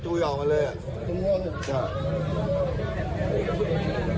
ห้าหุ้นมีการออกเมืองกับที่สุดท้าย